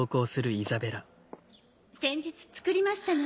先日作りましたの。